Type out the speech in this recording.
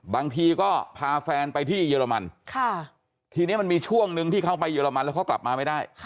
บางทีก็พาแฟนไปที่เยอรมันทีนี้มันมีช่วงนึงที่เขาไปเยอรมันแล้วเขากลับมาไม่ได้